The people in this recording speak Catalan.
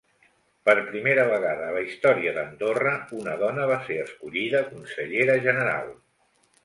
Per primera vegada a la història d'Andorra, una dona va ser escollida consellera general.